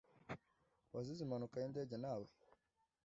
wazize impanuka y’indege nawe